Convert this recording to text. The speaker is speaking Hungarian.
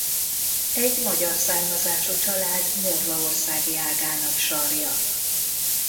Egy magyar származású család morvaországi ágának sarja.